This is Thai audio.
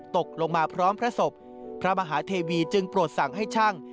ตกลงมาพร้อมพระศพพระมหาเทวีจึงโปรดสั่งให้ช่าง